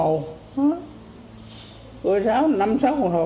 đưa năm sáu cái đồng hồ